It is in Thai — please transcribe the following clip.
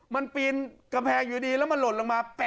มันปีนกำแพงอยู่ดีแล้วมันหล่นลงมา